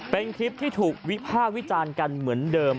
เป็นคลิปที่ถูกวิภาควิจารณ์กันเหมือนเดิม